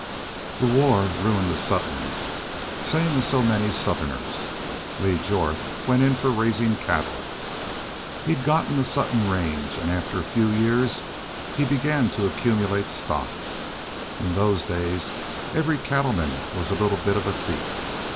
"The war ruined the Suttons, same as so many Southerners. Lee Jorth went in for raisin' cattle. He'd gotten the Sutton range an' after a few years he began to accumulate stock. In those days every cattleman was a little bit of a thief.